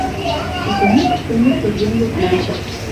Кутынек-кутынек тӧрген лекна.